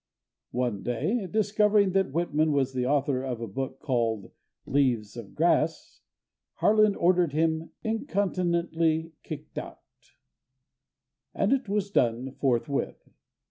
One day, discovering that Whitman was the author of a book called "Leaves of Grass," Harlan ordered him incontinently kicked out, and it was done forthwith.